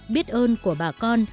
biết ơn của bà con